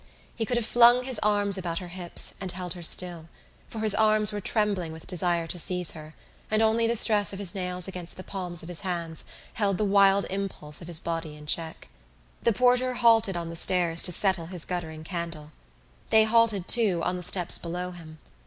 He could have flung his arms about her hips and held her still, for his arms were trembling with desire to seize her and only the stress of his nails against the palms of his hands held the wild impulse of his body in check. The porter halted on the stairs to settle his guttering candle. They halted too on the steps below him.